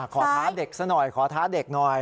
ท้าเด็กซะหน่อยขอท้าเด็กหน่อย